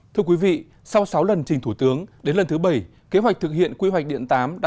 thưa quý vị sau sáu lần trình thủ tướng đến lần thứ bảy kế hoạch thực hiện quy hoạch điện tám đã